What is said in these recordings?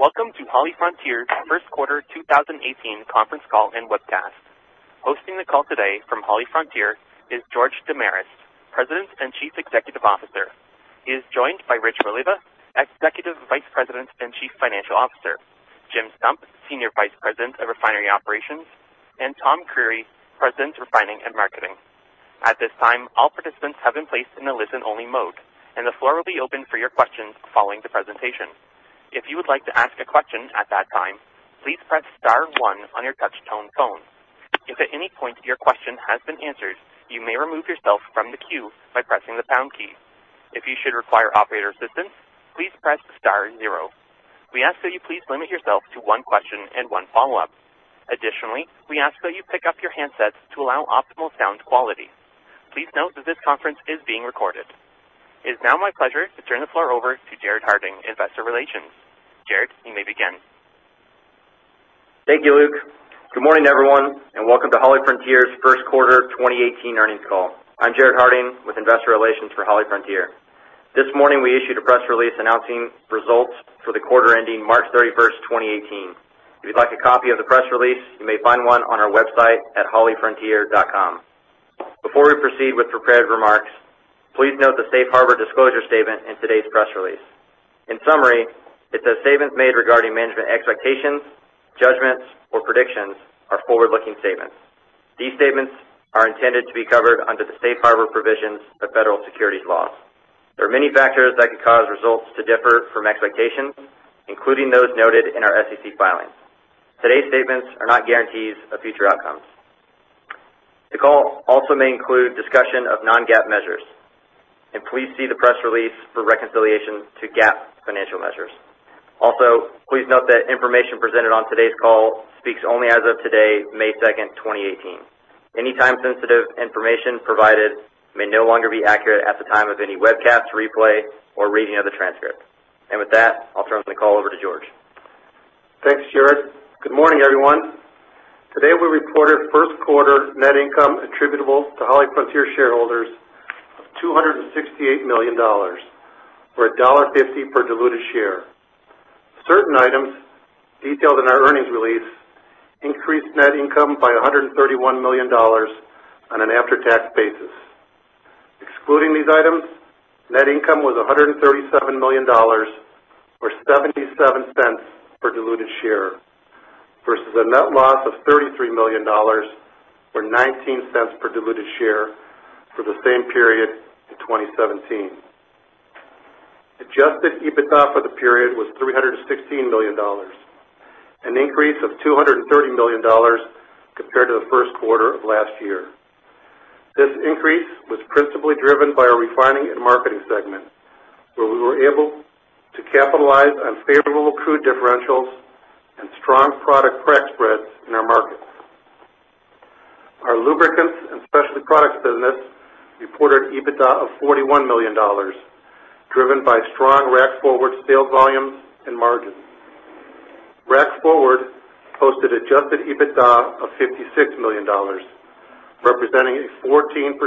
Welcome to HollyFrontier's first quarter 2018 conference call and webcast. Hosting the call today from HollyFrontier is George Damiris, President and Chief Executive Officer. He is joined by Rich Voliva, Executive Vice President and Chief Financial Officer, Jim Stump, Senior Vice President of Refinery Operations, and Tom Creery, President, Refining and Marketing. At this time, all participants have been placed in a listen-only mode, and the floor will be open for your questions following the presentation. If you would like to ask a question at that time, please press * one on your touch-tone phone. If at any point your question has been answered, you may remove yourself from the queue by pressing the pound key. If you should require operator assistance, please press * zero. We ask that you please limit yourself to one question and one follow-up. Additionally, we ask that you pick up your handsets to allow optimal sound quality. Please note that this conference is being recorded. It is now my pleasure to turn the floor over to Craig Biery, Investor Relations. Craig, you may begin. Thank you, Luke. Good morning, everyone, and welcome to HollyFrontier's first quarter 2018 earnings call. I'm Craig Biery with Investor Relations for HollyFrontier. This morning we issued a press release announcing results for the quarter ending March 31st, 2018. If you'd like a copy of the press release, you may find one on our website at hollyfrontier.com. Before we proceed with prepared remarks, please note the safe harbor disclosure statement in today's press release. In summary, it says statements made regarding management expectations, judgments, or predictions are forward-looking statements. These statements are intended to be covered under the safe harbor provisions of federal securities laws. There are many factors that could cause results to differ from expectations, including those noted in our SEC filings. Today's statements are not guarantees of future outcomes. The call also may include discussion of non-GAAP measures, please see the press release for reconciliation to GAAP financial measures. Also, please note that information presented on today's call speaks only as of today, May 2nd, 2018. Any time-sensitive information provided may no longer be accurate at the time of any webcast replay or reading of the transcript. With that, I'll turn the call over to George. Thanks, Craig. Good morning, everyone. Today we reported first-quarter net income attributable to HollyFrontier shareholders of $268 million, or $1.50 per diluted share. Certain items detailed in our earnings release increased net income by $131 million on an after-tax basis. Excluding these items, net income was $137 million, or $0.77 per diluted share, versus a net loss of $33 million, or $0.19 per diluted share for the same period in 2017. Adjusted EBITDA for the period was $316 million, an increase of $230 million compared to the first quarter of last year. This increase was principally driven by our Refining and Marketing segment, where we were able to capitalize on favorable crude differentials and strong product crack spreads in our markets. Our Lubricants and Specialty Products business reported EBITDA of $41 million, driven by strong Rack Forward sales volumes and margins. Rack Forward posted Adjusted EBITDA of $56 million, representing a 14%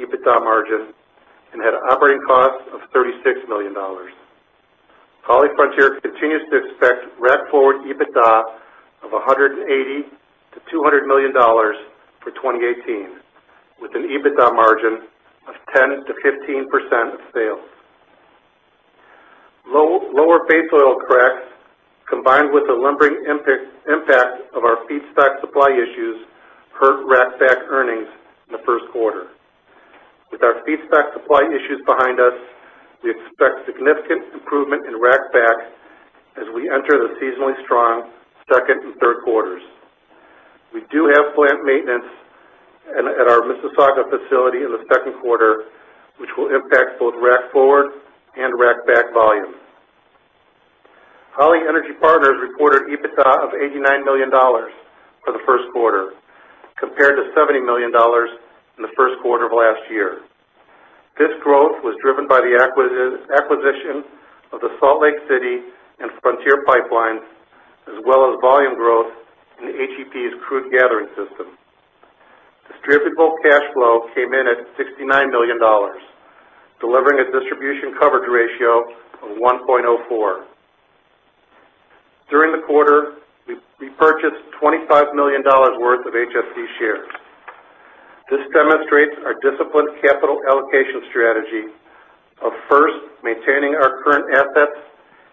EBITDA margin and had operating costs of $36 million. HollyFrontier continues to expect Rack Forward EBITDA of $180 million to $200 million for 2018, with an EBITDA margin of 10%-15% of sales. Lower base oil cracks combined with the lingering impact of our feedstock supply issues hurt Rack Back earnings in the first quarter. With our feedstock supply issues behind us, we expect significant improvement in Rack Back as we enter the seasonally strong second and third quarters. We do have plant maintenance at our Mississauga facility in the second quarter, which will impact both Rack Forward and Rack Back volumes. Holly Energy Partners reported EBITDA of $89 million for the first quarter, compared to $70 million in the first quarter of last year. This growth was driven by the acquisition of the Salt Lake City and Frontier Pipelines, as well as volume growth in HEP's crude gathering system. Distributable cash flow came in at $69 million, delivering a distribution coverage ratio of 1.04. During the quarter, we purchased $25 million worth of HFC shares. This demonstrates our disciplined capital allocation strategy of first maintaining our current assets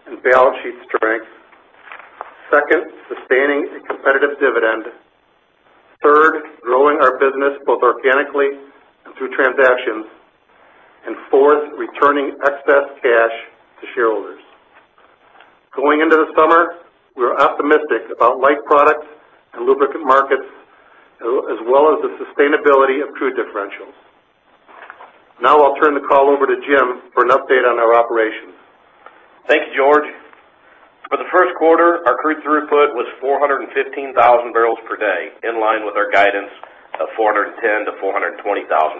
and balance sheet strength. Second, sustaining a competitive dividend. Third, growing our business both organically and through transactions. Fourth, returning excess cash to shareholders. Going into the summer, we are optimistic about light products and lubricant markets, as well as the sustainability of crude differentials. Now I'll turn the call over to Jim for an update on our operations. Thanks, George. For the first quarter, our crude throughput was 415,000 barrels per day, in line with our guidance of 410,000-420,000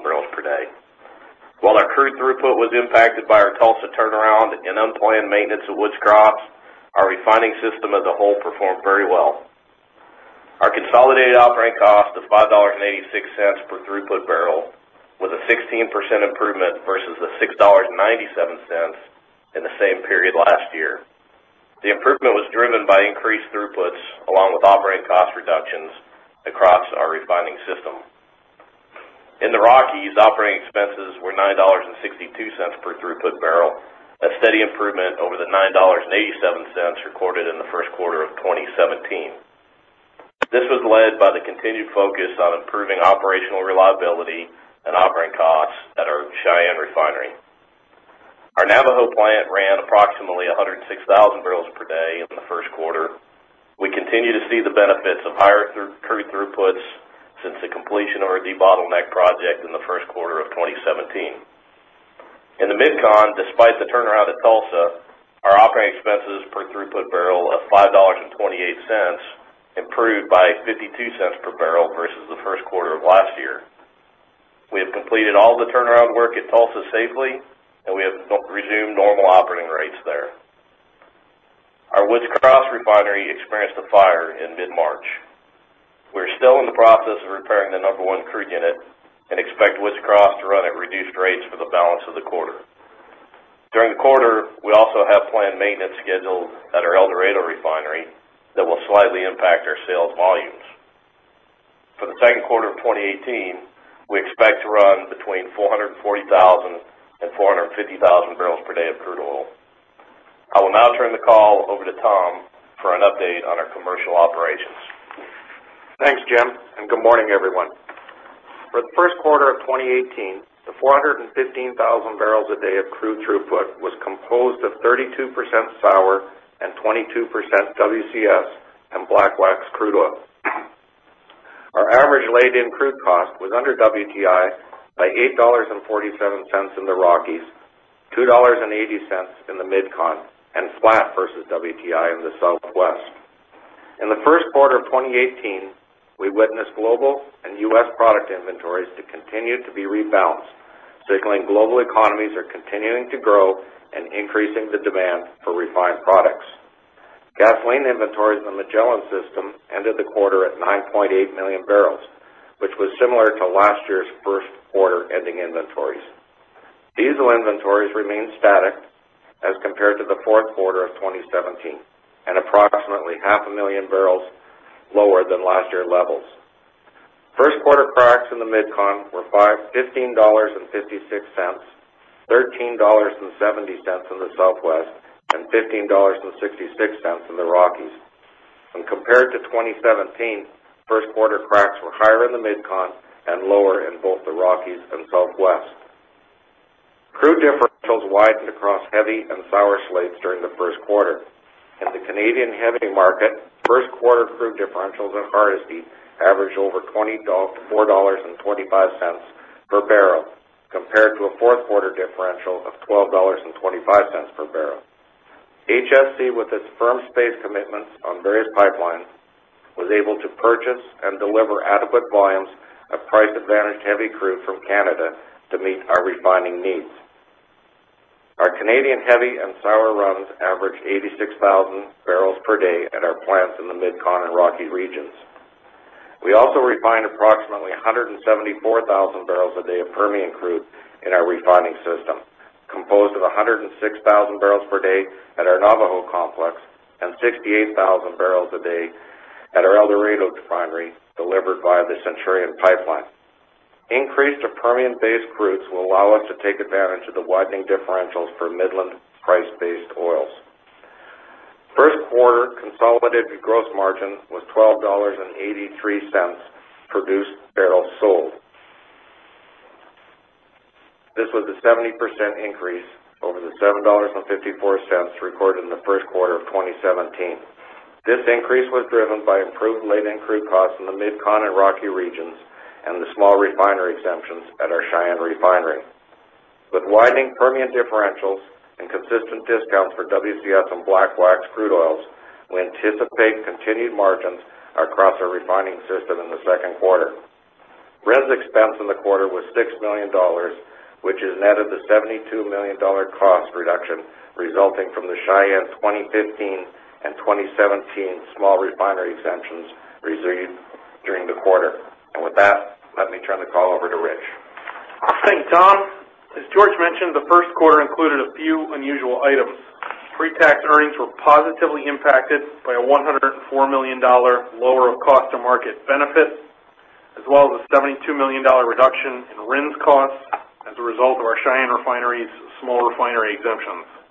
barrels per day. While our crude throughput was impacted by our Tulsa turnaround and unplanned maintenance at Woods Cross, our refining system as a whole performed very well. Consolidated operating cost of $5.86 per throughput barrel, with a 16% improvement versus the $6.97 in the same period last year. The improvement was driven by increased throughputs, along with operating cost reductions across our refining system. In the Rockies, operating expenses were $9.62 per throughput barrel. A steady improvement over the $9.87 recorded in the first quarter of 2017. This was led by the continued focus on improving operational reliability and operating costs at our Cheyenne Refinery. Our Navajo plant ran approximately 106,000 barrels per day in the first quarter. We continue to see the benefits of higher crude throughputs since the completion of our debottleneck project in the first quarter of 2017. In the MidCon, despite the turnaround at Tulsa, our operating expenses per throughput barrel of $5.28 improved by $0.52 per barrel versus the first quarter of last year. We have completed all the turnaround work at Tulsa safely, and we have resumed normal operating rates there. Our Woods Cross Refinery experienced a fire in mid-March. We are still in the process of repairing the number 1 crude unit and expect Woods Cross to run at reduced rates for the balance of the quarter. During the quarter, we also have planned maintenance scheduled at our El Dorado Refinery that will slightly impact our sales volumes. For the second quarter of 2018, we expect to run between 440,000 and 450,000 barrels per day of crude oil. I will now turn the call over to Tom for an update on our commercial operations. Thanks, Jim, and good morning, everyone. For the first quarter of 2018, the 415,000 barrels a day of crude throughput was composed of 32% sour and 22% WCS and black wax crude oil. Our average laid-in crude cost was under WTI by $8.47 in the Rockies, $2.80 in the MidCon, and flat versus WTI in the Southwest. In the first quarter of 2018, we witnessed global and U.S. product inventories to continue to be rebalanced, signaling global economies are continuing to grow and increasing the demand for refined products. Gasoline inventories in the Magellan system ended the quarter at 9.8 million barrels, which was similar to last year's first quarter ending inventories. Diesel inventories remained static as compared to the fourth quarter of 2017, and approximately half a million barrels lower than last year levels. First quarter cracks in the MidCon were $15.56, $13.70 in the Southwest, and $15.66 in the Rockies. When compared to 2017, first quarter cracks were higher in the MidCon and lower in both the Rockies and Southwest. Crude differentials widened across heavy and sour slates during the first quarter. In the Canadian heavy market, first quarter crude differentials in Hardisty averaged over $24.25 per barrel compared to a fourth-quarter differential of $12.25 per barrel. HFC, with its firm space commitments on various pipelines, was able to purchase and deliver adequate volumes of price-advantaged heavy crude from Canada to meet our refining needs. Our Canadian heavy and sour runs averaged 86,000 barrels per day at our plants in the MidCon and Rocky regions. We also refined approximately 174,000 barrels a day of Permian crude in our refining system, composed of 106,000 barrels per day at our Navajo complex and 68,000 barrels a day at our El Dorado Refinery, delivered via the Centurion Pipeline. Increase to Permian-based crudes will allow us to take advantage of the widening differentials for Midland price-based oils. First quarter consolidated gross margin was $12.83 produced barrels sold. This was a 70% increase over the $7.54 recorded in the first quarter of 2017. This increase was driven by improved laid-in crude costs in the MidCon and Rocky regions and the Small Refinery Exemptions at our Cheyenne Refinery. With widening Permian differentials and consistent discounts for WCS and black wax crude oils, we anticipate continued margins across our refining system in the second quarter. RINs expense in the quarter was $6 million, which is net of the $72 million cost reduction resulting from the Cheyenne 2015 and 2017 Small Refinery Exemptions received during the quarter. With that, let me turn the call over to Rich. Thanks, Tom. As George mentioned, the first quarter included a few unusual items. Pre-tax earnings were positively impacted by a $104 million lower of cost to market benefit, as well as a $72 million reduction in RINs costs as a result of our Cheyenne Refinery's Small Refinery Exemptions.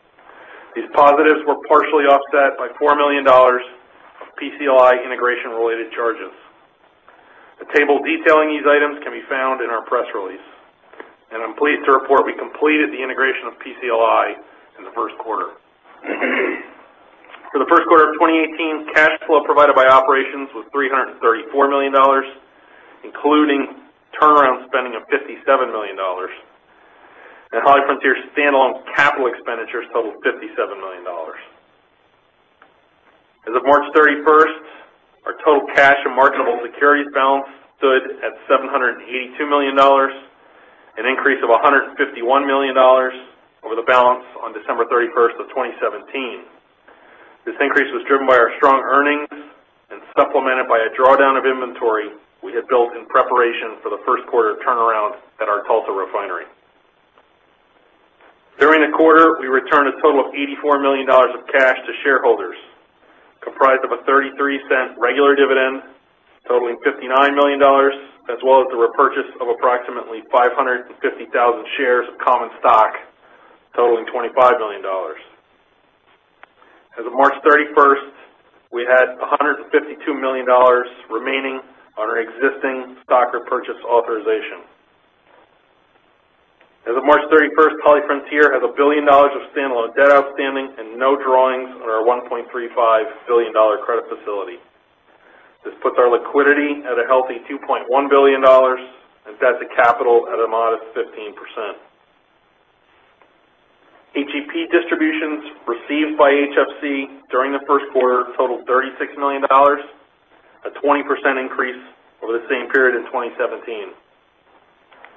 These positives were partially offset by $4 million of PCLI integration-related charges. A table detailing these items can be found in our press release. I'm pleased to report we completed the integration of PCLI in the first quarter. For the first quarter of 2018, cash flow provided by operations was $334 million, including turnaround spending of $57 million. HollyFrontier standalone capital expenditures totaled $57 million. As of March 31st, our total cash and marketable securities balance stood at $782 million. An increase of $151 million over the balance on December 31st of 2017. This increase was driven by our strong earnings and supplemented by a drawdown of inventory we had built in preparation for the first quarter turnaround at our Tulsa refinery. During the quarter, we returned a total of $84 million of cash to shareholders, comprised of a $0.33 regular dividend totaling $59 million, as well as the repurchase of approximately 550,000 shares of common stock totaling $25 million. As of March 31st, we had $152 million remaining on our existing stock repurchase authorization. As of March 31st, HollyFrontier has $1 billion of standalone debt outstanding and no drawings on our $1.35 billion credit facility. This puts our liquidity at a healthy $2.1 billion and sets the capital at a modest 15%. HEP distributions received by HFC during the first quarter totaled $36 million, a 20% increase over the same period in 2017.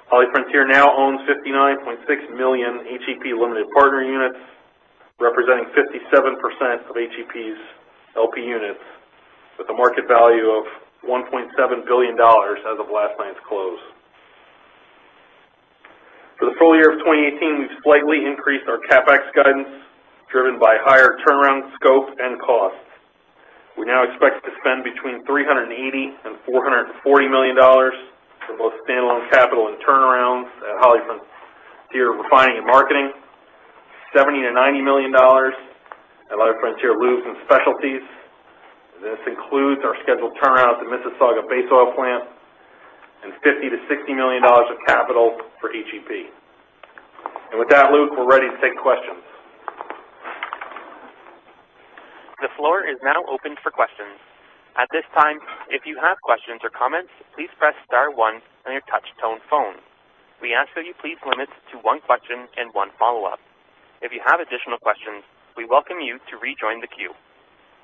HollyFrontier now owns 59.6 million HEP limited partner units, representing 57% of HEP's LP units with a market value of $1.7 billion as of last night's close. For the full year of 2018, we've slightly increased our CapEx guidance, driven by higher turnaround scope and costs. We now expect to spend between $380 million-$440 million for both standalone capital and turnarounds at HollyFrontier Refining and Marketing, $70 million-$90 million at HollyFrontier Lubes and Specialties. This includes our scheduled turnarounds at Mississauga base oil plant and $50 million-$60 million of capital for HEP. With that, Luke, we're ready to take questions. The floor is now open for questions. At this time, if you have questions or comments, please press *1 on your touch tone phone. We ask that you please limit to one question and one follow-up. If you have additional questions, we welcome you to rejoin the queue.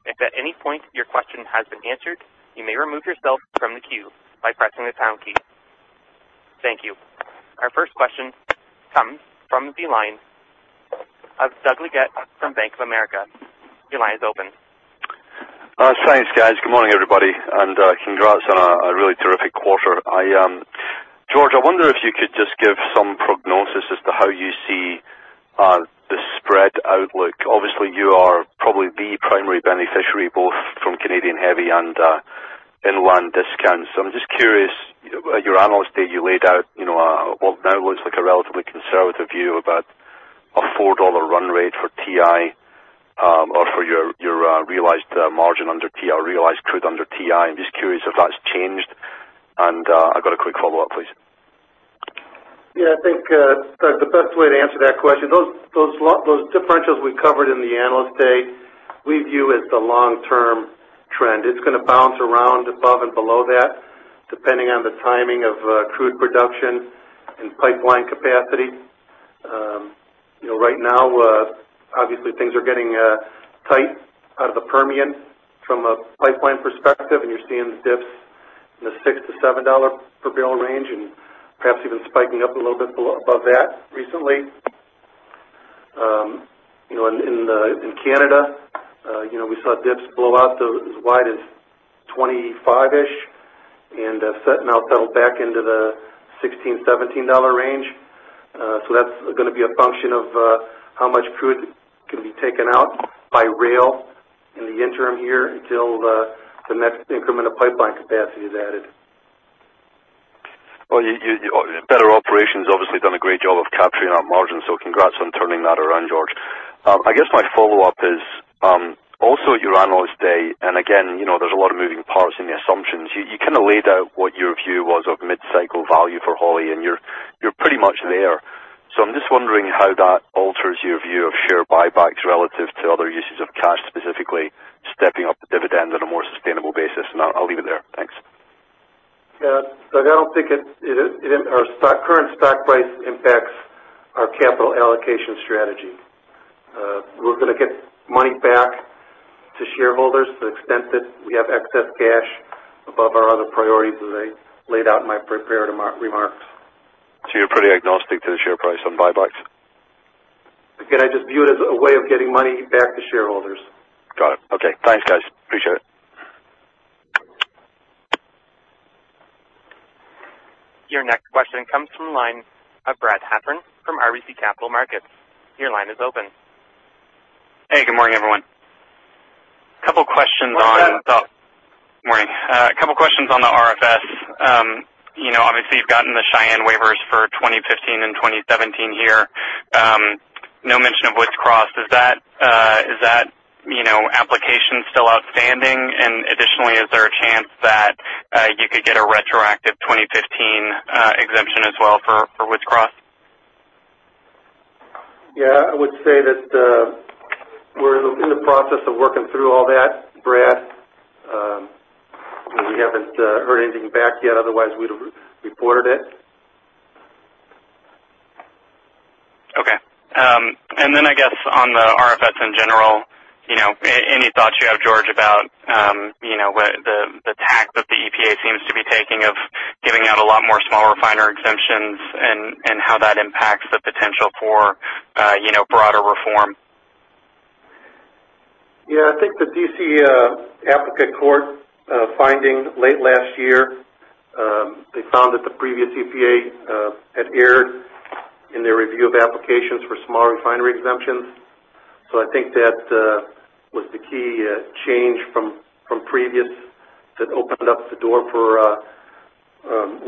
If at any point your question has been answered, you may remove yourself from the queue by pressing the pound key. Thank you. Our first question comes from the line of Doug Leggate from Bank of America. Your line is open. Thanks, guys. Good morning, everybody, and congrats on a really terrific quarter. George, I wonder if you could just give some prognosis as to how you see the spread outlook. Obviously, you are probably the primary beneficiary both from Canadian heavy and inland discounts. I'm just curious, at your Analyst Day, you laid out what now looks like a relatively conservative view about a $4 run rate for TI or for your realized crude under TI. I'm just curious if that's changed, I've got a quick follow-up, please. I think, Doug, the best way to answer that question, those differentials we covered in the Analyst Day, we view as the long-term trend. It's going to bounce around above and below that, depending on the timing of crude production and pipeline capacity. Right now, obviously things are getting tight out of the Permian from a pipeline perspective, you're seeing the dips in the $6-$7 per barrel range and perhaps even spiking up a little bit above that recently. In Canada, we saw dips blow out as wide as 25-ish and now settled back into the $16, $17 range. That's going to be a function of how much crude can be taken out by rail in the interim here until the next increment of pipeline capacity is added. Well, better operations obviously done a great job of capturing our margins, so congrats on turning that around, George. I guess my follow-up is, also at your Analyst Day. Again, there's a lot of moving parts in the assumptions. You laid out what your view was of mid-cycle value for Holly. You're pretty much there. I'm just wondering how that alters your view of share buybacks relative to other uses of cash, specifically stepping up the dividend on a more sustainable basis, and I'll leave it there. Thanks. Yeah. Doug, I don't think our current stock price impacts our capital allocation strategy. We're going to get money back to shareholders to the extent that we have excess cash above our other priorities, as I laid out in my prepared remarks. You're pretty agnostic to the share price on buybacks? Again, I just view it as a way of getting money back to shareholders. Got it. Okay. Thanks, guys. Appreciate it. Your next question comes from the line of Brad Heffern from RBC Capital Markets. Your line is open. Hey, good morning, everyone. Morning, Brad. Morning. A couple questions on the RFS. Obviously, you've gotten the Cheyenne waivers for 2015 and 2017 here. No mention of Woods Cross. Is that application still outstanding? Additionally, is there a chance that you could get a retroactive 2015 exemption as well for Woods Cross? Yeah, I would say that we're in the process of working through all that, Brad. We haven't heard anything back yet, otherwise we'd have reported it. I guess on the RFS in general, any thoughts you have, George, about the tack that the EPA seems to be taking of giving out a lot more Small Refinery Exemptions and how that impacts the potential for broader reform? Yeah. I think the D.C. appellate court finding late last year, they found that the previous EPA had erred in their review of applications for Small Refinery Exemptions. I think that was the key change from previous that opened up the door for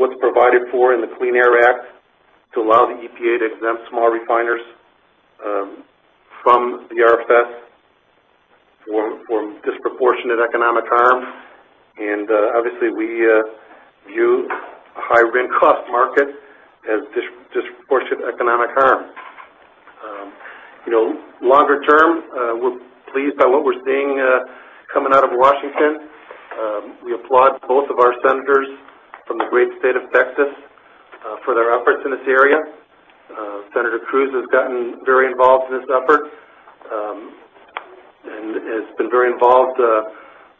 what's provided for in the Clean Air Act to allow the EPA to exempt small refiners from the RFS from disproportionate economic harm. Obviously we view a high-rent cost market as disproportionate economic harm. Longer term, we're pleased by what we're seeing coming out of Washington. We applaud both of our senators from the great state of Texas for their efforts in this area. Senator Cruz has gotten very involved in this effort, and has been very involved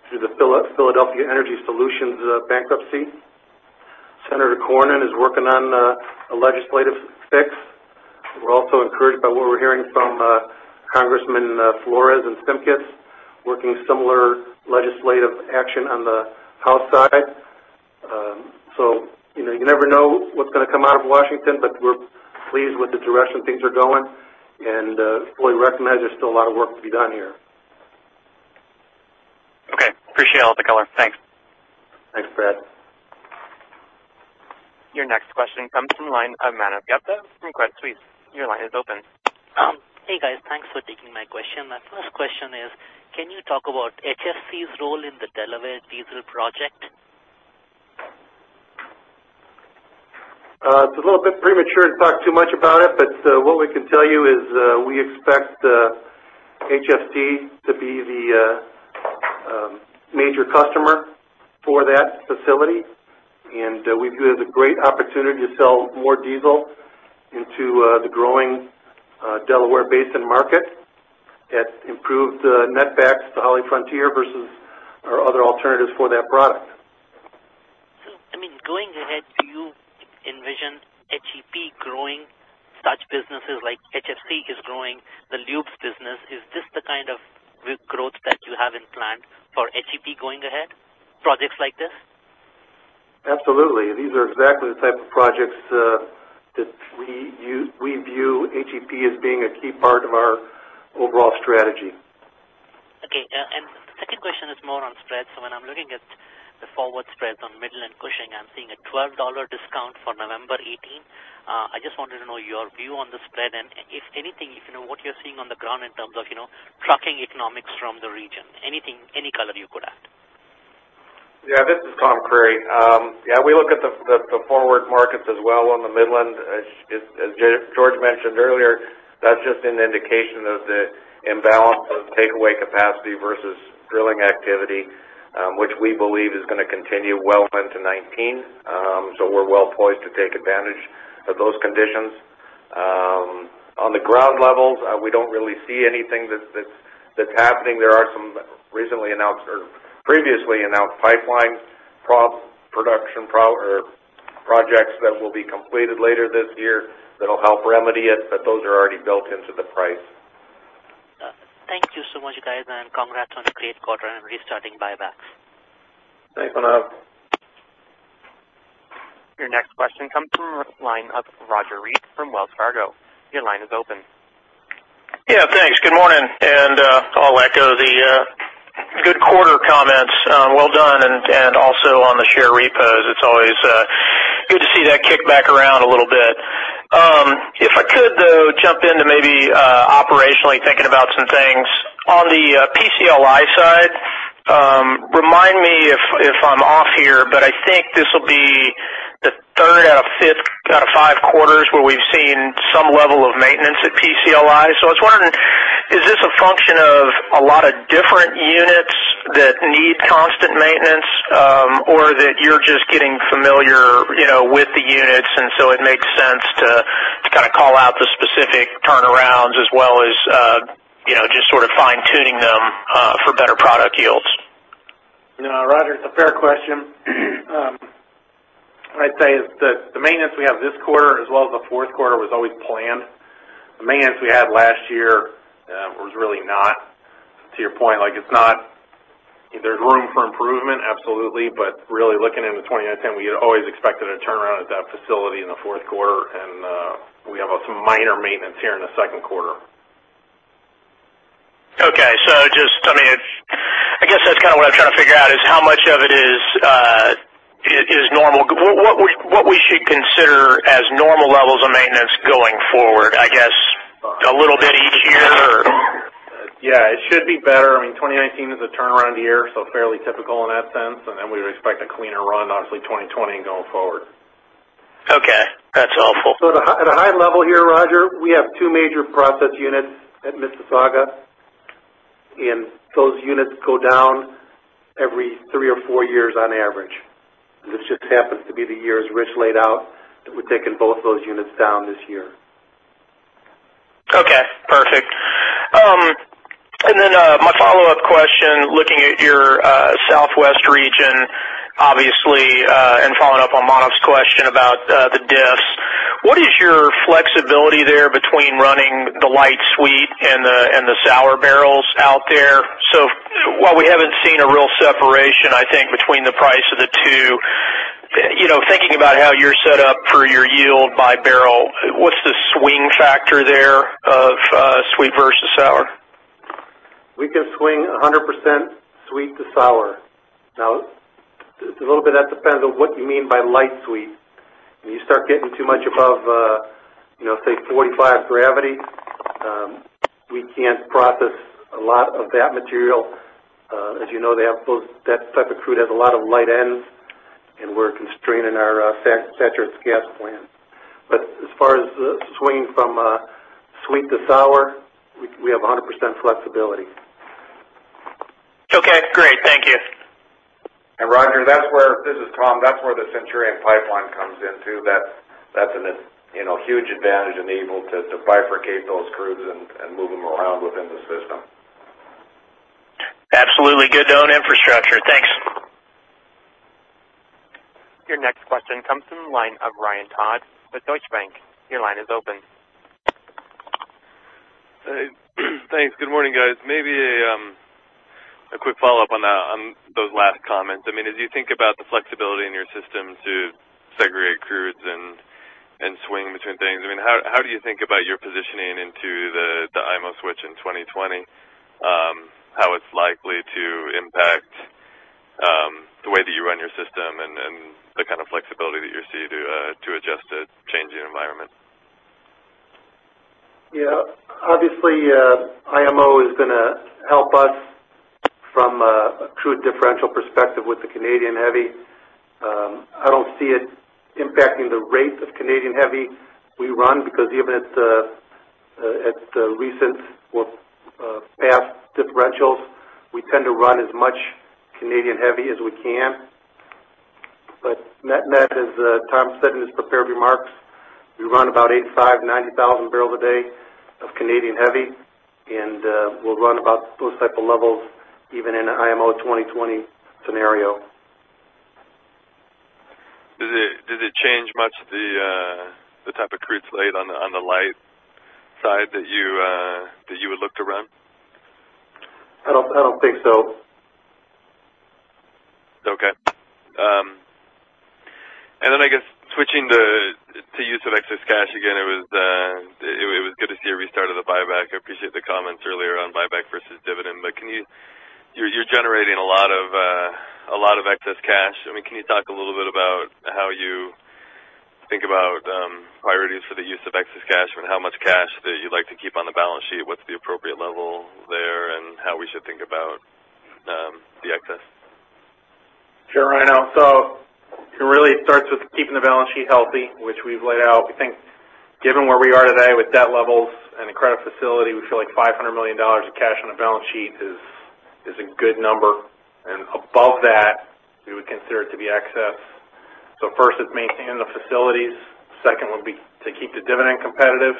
through the Philadelphia Energy Solutions bankruptcy. Senator Cornyn is working on a legislative fix. We're also encouraged by what we're hearing from Congressman Flores and Shimkus working similar legislative action on the House side. You never know what's going to come out of Washington, but we're pleased with the direction things are going and fully recognize there's still a lot of work to be done here. Okay. Appreciate all the color. Thanks. Thanks, Brad. Your next question comes from the line of Manav Gupta from Credit Suisse. Your line is open. Hey, guys. Thanks for taking my question. My first question is, can you talk about HFC's role in the Delaware diesel project? It's a little bit premature to talk too much about it, what we can tell you is we expect HFC to be the major customer for that facility, and we view it as a great opportunity to sell more diesel into the growing Delaware Basin market that improved net backs to HollyFrontier versus our other alternatives for that product. Going ahead, do you envision HEP growing such businesses like HFC is growing the lubes business? Is this the kind of growth that you have in plan for HEP going ahead, projects like this? Absolutely. These are exactly the type of projects that we view HEP as being a key part of our overall strategy. Okay. Second question is more on spreads. When I'm looking at the forward spreads on Midland Cushing, I'm seeing a $12 discount for November 2018. I just wanted to know your view on the spread and if anything, if you know what you're seeing on the ground in terms of trucking economics from the region. Anything, any color you could add. Yeah, this is Tom Creery. We look at the forward markets as well on the Midland. As George mentioned earlier, that's just an indication of the imbalance of takeaway capacity versus drilling activity, which we believe is going to continue well into 2019. We're well-poised to take advantage of those conditions. On the ground levels, we don't really see anything that's happening. There are some previously announced pipelines production projects that will be completed later this year that'll help remedy it, those are already built into the price. Thank you so much, guys, congrats on a great quarter and restarting buybacks. Thanks, Manav. Your next question comes from the line of Roger Read from Wells Fargo. Your line is open. Yeah, thanks. Good morning, I'll echo the good quarter comments. Well done, also on the share repos. It's always good to see that kick back around a little bit. If I could, though, jump into maybe operationally thinking about some things. On the PCLI side, remind me if I'm off here, but I think this will be the third out of five quarters where we've seen some level of maintenance at PCLI. I was wondering, is this a function of a lot of different units that need constant maintenance, or that you're just getting familiar with the units and so it makes sense to call out the specific turnarounds as well as just sort of fine-tuning them for better product yields? Roger, it's a fair question. I'd say the maintenance we have this quarter as well as the fourth quarter was always planned. The maintenance we had last year was really not to your point. There's room for improvement, absolutely, but really looking into 2019, we had always expected a turnaround at that facility in the fourth quarter. We have some minor maintenance here in the second quarter. Okay. Just, I guess that's what I'm trying to figure out is how much of it is normal. What we should consider as normal levels of maintenance going forward, I guess a little bit each year? Yeah, it should be better. 2019 is a turnaround year, so fairly typical in that sense. Then we'd expect a cleaner run, obviously 2020 and going forward. Okay. That's helpful. At a high level here, Roger, we have two major process units at Mississauga. Those units go down every three or four years on average. This just happens to be the years Rich laid out, that we're taking both those units down this year. Okay. Perfect. Then my follow-up question, looking at your southwest region, obviously, and following up on Manav's question about the diffs, what is your flexibility there between running the light sweet and the sour barrels out there? While we haven't seen a real separation, I think, between the price of the two, thinking about how you're set up for your yield by barrel, what's the swing factor there of sweet versus sour? We can swing 100% sweet to sour. A little bit of that depends on what you mean by light sweet. When you start getting too much above say 45 gravity, we can't process a lot of that material. As you know, that type of crude has a lot of light ends, and we're constrained in our saturated gas plant. As far as the swing from sweet to sour, we have 100% flexibility. Okay, great. Thank you. Roger, this is Tom. That's where the Centurion Pipeline comes in, too. That's a huge advantage in being able to bifurcate those crudes and move them around within the system. Absolutely. Good to own infrastructure. Thanks. Your next question comes from the line of Ryan Todd with Deutsche Bank. Your line is open. Thanks. Good morning, guys. Maybe a quick follow-up on those last comments. As you think about the flexibility in your system to segregate crudes and swing between things, how do you think about your positioning into the IMO switch in 2020? How it's likely to impact the way that you run your system and the kind of flexibility that you see to adjust to changing environment? Yeah. Obviously, IMO is going to help us from a crude differential perspective with the Canadian heavy. I don't see it impacting the rate of Canadian heavy we run because even at the recent or past differentials, we tend to run as much Canadian heavy as we can. Net net, as Tom said in his prepared remarks, we run about 85,000, 90,000 barrels a day of Canadian heavy, and we'll run about those type of levels even in an IMO 2020 scenario. Does it change much the type of crudes laid on the light side that you would look to run? I don't think so. I guess switching to use of excess cash again, it was good to see a restart of the buyback. I appreciate the comments earlier on buyback versus dividend. You're generating a lot of excess cash. Can you talk a little bit about how you think about priorities for the use of excess cash and how much cash that you'd like to keep on the balance sheet? What's the appropriate level there and how we should think about the excess? Sure, Ryan. It really starts with keeping the balance sheet healthy, which we've laid out. We think given where we are today with debt levels and the credit facility, we feel like $500 million of cash on a balance sheet is a good number, and above that, we would consider it to be excess. First it's maintaining the facilities. Second would be to keep the dividend competitive.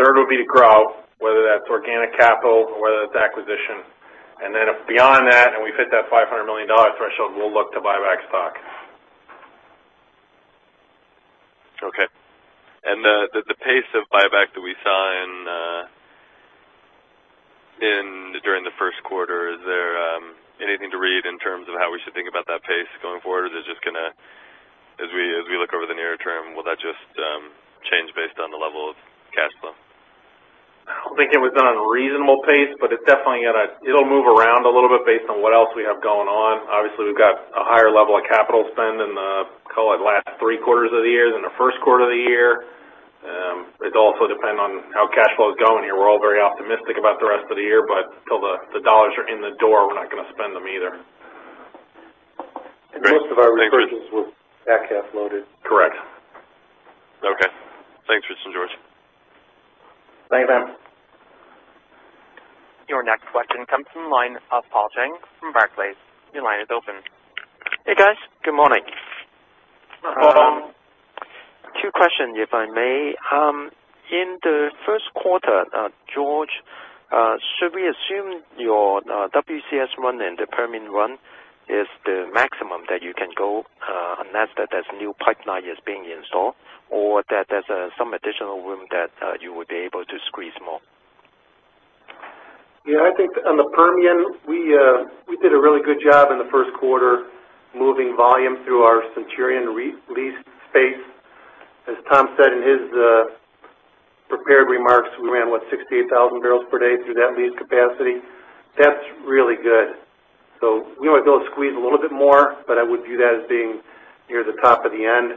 Third would be to grow, whether that's organic capital or whether that's acquisition. Beyond that, and we've hit that $500 million threshold, we'll look to buy back stock. Okay. The pace of buyback that we saw during the first quarter, is there anything to read in terms of how we should think about that pace going forward? Is it just going to, as we look over the near term, will that just change based on the level of cash flow? I don't think it was done at a reasonable pace. It'll move around a little bit based on what else we have going on. Obviously, we've got a higher level of capital spend in the, call it last three quarters of the year than the first quarter of the year. It also depends on how cash flow is going here. We're all very optimistic about the rest of the year. Until the dollars are in the door, we're not going to spend them either. Most of our purchases were back-half loaded. Correct. Okay. Thanks, Rich and George. Thanks, man. Your next question comes from the line of Paul Cheng from Barclays. Your line is open. Hey, guys. Good morning. Good morning. Two questions, if I may. In the first quarter, George, should we assume your WCS run and the Permian run is the maximum that you can go unless that there's new pipeline is being installed, or that there's some additional room that you would be able to squeeze more? I think on the Permian, we did a really good job in the first quarter moving volume through our Centurion leased space. As Tom said in his prepared remarks, we ran, what, 68,000 barrels per day through that lease capacity. That's really good. We want to be able to squeeze a little bit more, but I would view that as being near the top of the end.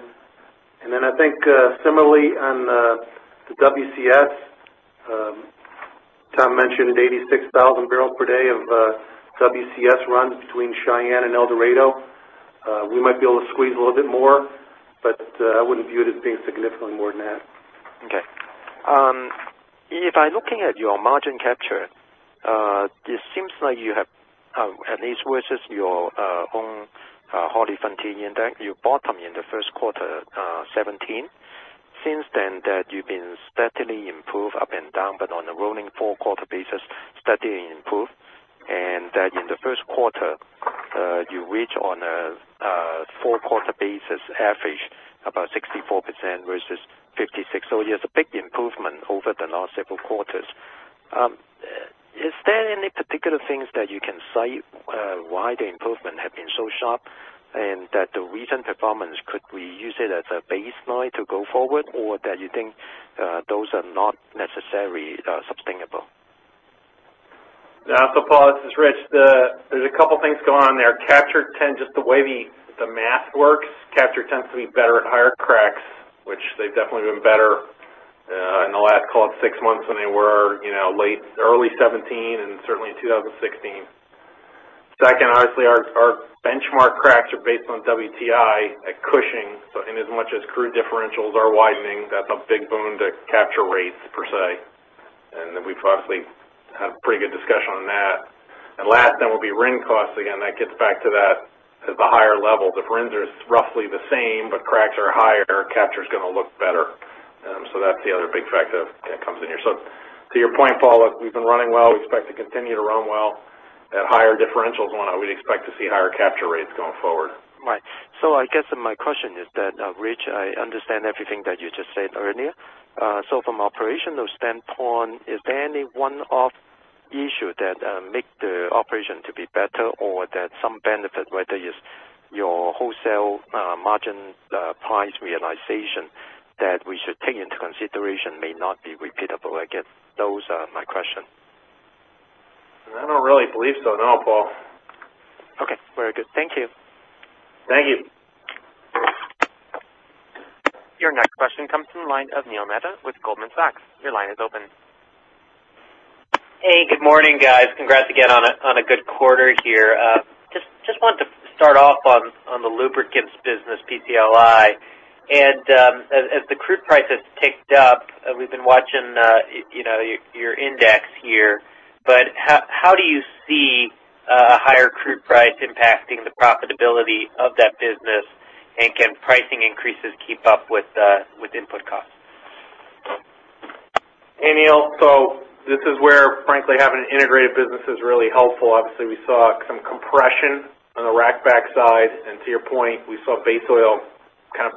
I think similarly on the WCS, Tom mentioned at 86,000 barrels per day of WCS runs between Cheyenne and El Dorado. We might be able to squeeze a little bit more, but I wouldn't view it as being significantly more than that. Okay. If I'm looking at your margin capture, it seems like you have, at least versus your own HollyFrontier index, you bottomed in the first quarter 2017. Since then, you've been steadily improved up and down, but on a rolling four-quarter basis, steadily improved. In the first quarter, you reach on a four-quarter basis average about 64% versus 56%. Yes, a big improvement over the last several quarters. Is there any particular things that you can cite why the improvement has been so sharp, and that the recent performance, could we use it as a baseline to go forward, or that you think those are not necessarily sustainable? Paul, this is Rich. There's a couple things going on there. Capture trend, just the way the math works, capture tends to be better at higher cracks, which they've definitely been better in the last, call it, 6 months than they were early 2017 and certainly in 2016. Second, honestly, our benchmark cracks are based on WTI at Cushing. Inasmuch as crude differentials are widening, that's a big boon to capture rates per se. We've obviously had a pretty good discussion on that. Last, then, will be RIN costs. Again, that gets back to that at the higher level. The RINs are roughly the same, but cracks are higher, capture's going to look better. That's the other big factor that comes in here. To your point, Paul, look, we've been running well. We expect to continue to run well at higher differentials, one, and we'd expect to see higher capture rates going forward. Right. I guess my question is that, Rich, I understand everything that you just said earlier. From operational standpoint, is there any one-off issue that make the operation to be better or that some benefit, whether it's your wholesale margin price realization, that we should take into consideration may not be repeatable? I guess those are my question. I don't really believe so, no, Paul. Okay. Very good. Thank you. Thank you. Your next question comes from the line of Neil Mehta with Goldman Sachs. Your line is open. Hey, good morning, guys. Congrats again on a good quarter here. Just wanted to start off on the lubricants business, PCLI. As the crude price has ticked up, we've been watching your index here. How do you see a higher crude price impacting the profitability of that business? Can pricing increases keep up with input costs? Hey, Neil. This is where, frankly, having an integrated business is really helpful. Obviously, we saw some compression on the rack backside. To your point, we saw base oil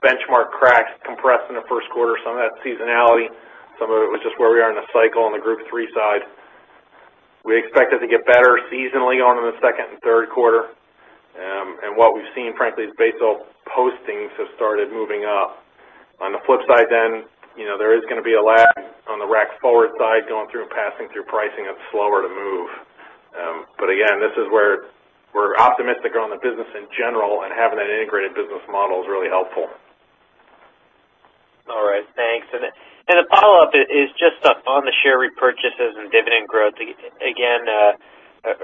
benchmark cracks compress in the first quarter. Some of that seasonality, some of it was just where we are in the cycle on the Group 3 side. We expect it to get better seasonally in the second and third quarter. What we've seen, frankly, is base oil postings have started moving up. On the flip side, there is going to be a lag on the rack forward side going through and passing through pricing. It's slower to move. Again, this is where we're optimistic on the business in general, and having that integrated business model is really helpful. All right. Thanks. The follow-up is just on the share repurchases and dividend growth. Again,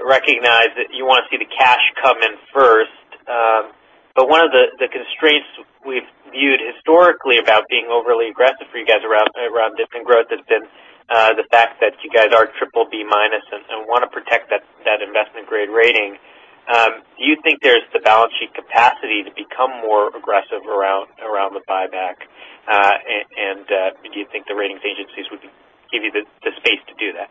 recognize that you want to see the cash come in first. One of the constraints we've viewed historically about being overly aggressive for you guys around dividend growth has been the fact that you guys are BBB- and want to protect that investment-grade rating. Do you think there's the balance sheet capacity to become more aggressive around the buyback? Do you think the ratings agencies would give you the space to do that?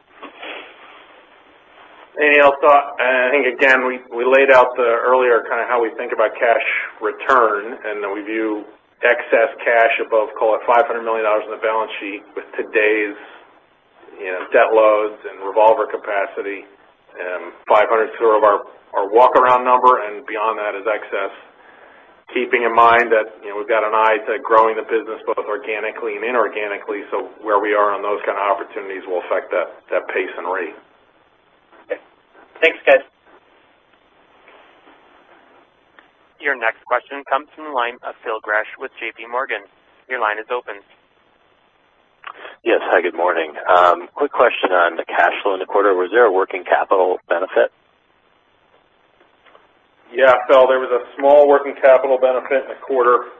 Hey, Neil. I think, again, we laid out the earlier how we think about cash return. We view excess cash above, call it, $500 million on the balance sheet with today's debt loads and revolver capacity. $500's sort of our walk-around number. Beyond that is excess. Keeping in mind that we've got an eye to growing the business both organically and inorganically. Where we are on those kind of opportunities will affect that pace and rate. Okay. Thanks, guys. Your next question comes from the line of Phil Gresh with J.P. Morgan. Your line is open. Yes. Hi, good morning. Quick question on the cash flow in the quarter. Was there a working capital benefit? Yeah, Phil, there was a small working capital benefit in the quarter.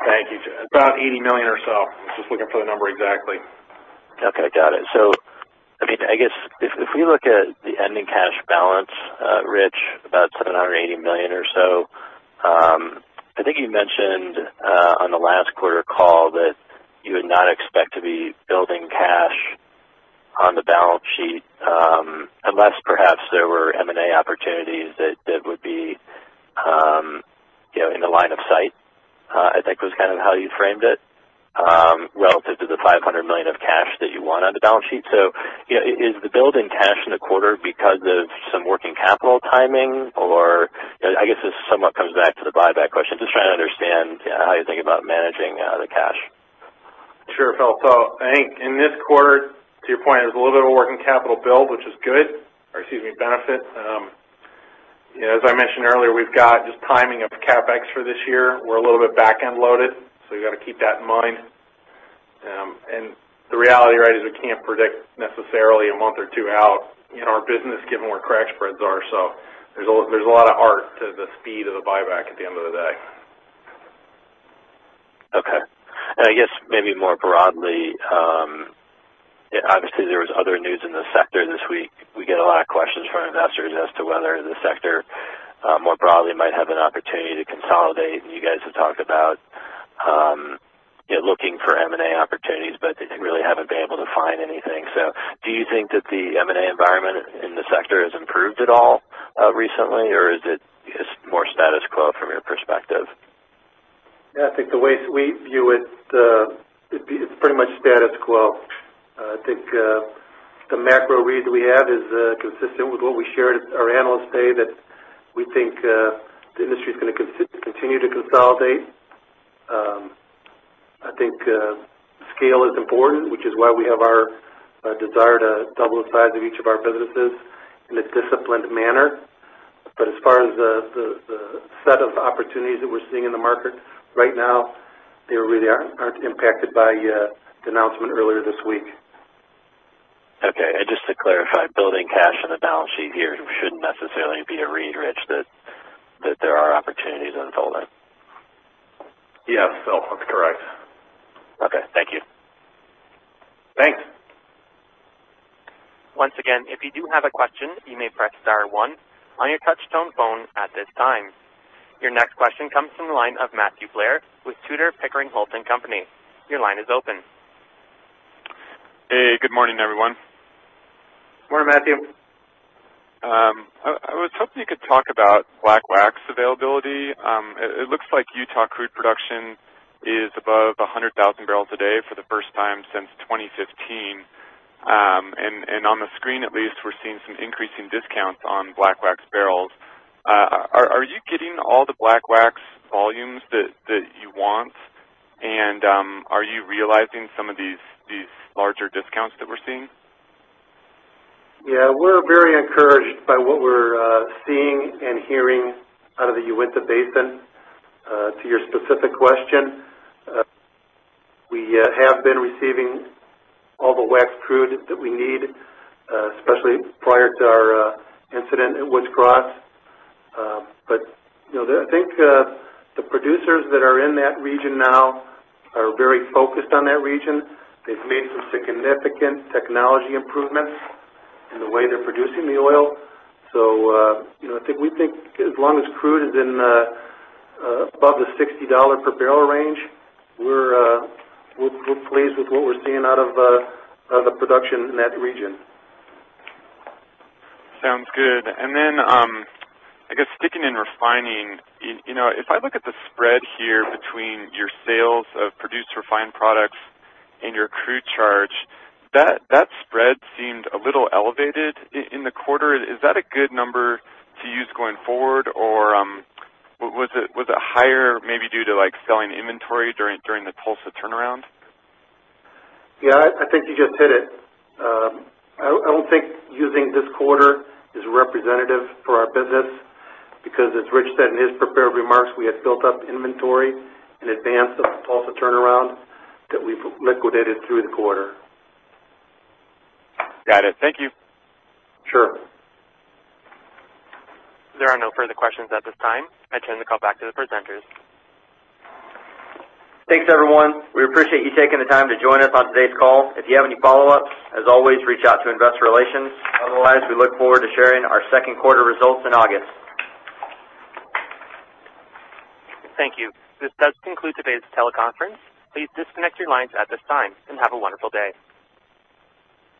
Thank you, Chad. About $80 million or so. I was just looking for the number exactly. Okay, got it. I guess if we look at the ending cash balance, Rich, about $780 million or so, I think you mentioned on the last quarter call that you would not expect to be building cash on the balance sheet unless perhaps there were M&A opportunities that would be in the line of sight, I think was how you framed it, relative to the $500 million of cash that you want on the balance sheet. Is the build in cash in the quarter because of some working capital timing, or I guess this somewhat comes back to the buyback question. Just trying to understand how you think about managing the cash. Sure, Phil. I think in this quarter, to your point, there was a little bit of a working capital build, which is good. Or excuse me, benefit. As I mentioned earlier, we've got just timing of CapEx for this year. We're a little bit back-end loaded, we've got to keep that in mind. The reality is we can't predict necessarily a month or two out in our business given where crack spreads are. There's a lot of art to the speed of the buyback at the end of the day. Okay. I guess maybe more broadly, obviously there was other news in the sector this week. We get a lot of questions from investors as to whether the sector more broadly might have an opportunity to consolidate. You guys have talked about looking for M&A opportunities, but really haven't been able to find anything. Do you think that the M&A environment in the sector has improved at all recently, or is it more status quo from your perspective? Yeah, I think the way we view it's pretty much status quo. I think the macro read we have is consistent with what we shared at our Analyst Day, that we think the industry's going to continue to consolidate. I think scale is important, which is why we have our desire to double the size of each of our businesses in a disciplined manner. As far as the set of opportunities that we're seeing in the market right now, they really aren't impacted by the announcement earlier this week. Okay. Just to clarify, building cash on the balance sheet here shouldn't necessarily be a read, Rich, that there are opportunities unfolding? Yes. Phil, that's correct. Okay. Thank you. Thanks. Once again, if you do have a question, you may press star one on your touchtone phone at this time. Your next question comes from the line of Matthew Blair with Tudor, Pickering, Holt & Co.. Your line is open. Hey, good morning, everyone. Morning, Matthew. I was hoping you could talk about black wax availability. It looks like Utah crude production is above 100,000 barrels a day for the first time since 2015. On the screen at least, we're seeing some increasing discounts on black wax barrels. Are you getting all the black wax volumes that you want? Are you realizing some of these larger discounts that we're seeing? Yeah, we're very encouraged by what we're seeing and hearing out of the Uinta Basin. To your specific question, we have been receiving all the wax crude that we need, especially prior to our incident at Woods Cross. I think the producers that are in that region now are very focused on that region. They've made some significant technology improvements in the way they're producing the oil. We think as long as crude is above the $60 per barrel range, we're pleased with what we're seeing out of the production in that region. Sounds good. Then, I guess sticking in refining, if I look at the spread here between your sales of produced refined products and your crude charge, that spread seemed a little elevated in the quarter. Is that a good number to use going forward, or was it higher maybe due to selling inventory during the Tulsa turnaround? I think you just hit it. I don't think using this quarter is representative for our business because as Rich said in his prepared remarks, we had built up inventory in advance of the Tulsa turnaround that we've liquidated through the quarter. Got it. Thank you. Sure. There are no further questions at this time. I turn the call back to the presenters. Thanks, everyone. We appreciate you taking the time to join us on today's call. If you have any follow-ups, as always, reach out to Investor Relations. Otherwise, we look forward to sharing our second quarter results in August. Thank you. This does conclude today's teleconference. Please disconnect your lines at this time, and have a wonderful day.